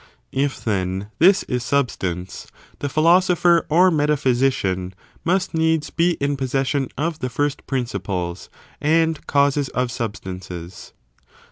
If, then, this is substance, the Philo sopher or Metaphysician must needs be in possession of the first principles and causes of substances.